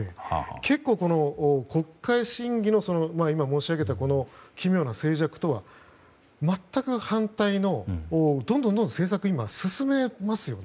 結構、国会審議の今申し上げた奇妙な静寂とは全く反対でどんどん、政策を今、進めますよね